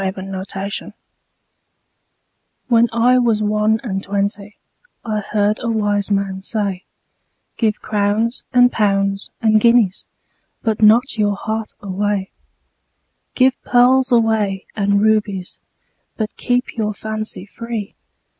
When I was one and twenty WHEN I was one and twentyI heard a wise man say,'Give crowns and pounds and guineasBut not your heart away; Give pearls away and rubiesBut keep your fancy free.